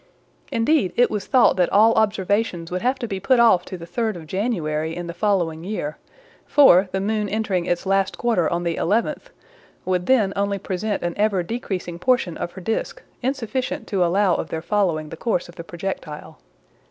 Indeed it was thought that all observations would have to be put off to the 3d of January in the following year; for the moon entering its last quarter on the 11th, would then only present an ever decreasing portion of her disc, insufficient to allow of their following the course of the projectile.